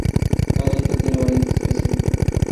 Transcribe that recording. Cada isla tiene variantes específicas.